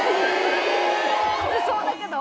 きつそうだけど。